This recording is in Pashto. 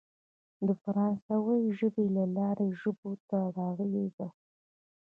د فرانسوۍ ژبې له لارې ژبو ته راغلې ده.